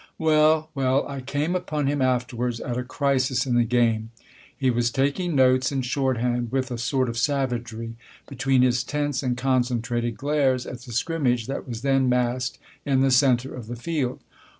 Well well ; I came upon him afterwards at a crisis in the game. He was taking notes in shorthand with a sort of savagery, between his tense and concentrated glares at the scrimmage that was then massed in the centre of the field.